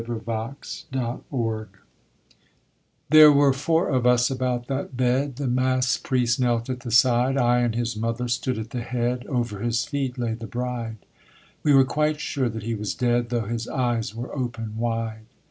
_ SHAMEFUL DEATH There were four of us about that bed; The mass priest knelt at the side, I and his mother stood at the head, Over his feet lay the bride; We were quite sure that he was dead, Though his eyes were open wide.